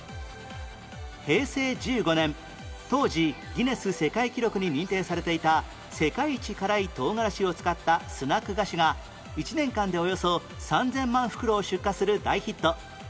平成１５年当時ギネス世界記録に認定されていた世界一辛い唐辛子を使ったスナック菓子が１年間でおよそ３０００万袋を出荷する大ヒット